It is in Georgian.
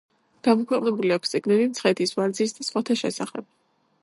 გამოქვეყნებული აქვს წიგნები მცხეთის, ვარძიის და სხვათა შესახებ.